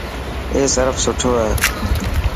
اي سرف سٺو هي.